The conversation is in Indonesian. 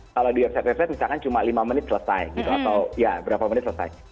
kalau di website website misalkan cuma lima menit selesai gitu atau ya berapa menit selesai